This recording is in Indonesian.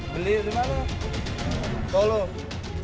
beli di mana tolong